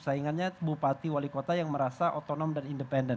saingannya bupati wali kota yang merasa otonom dan independen